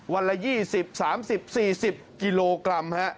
วันละ๒๐๓๐๔๐กิโลกรัม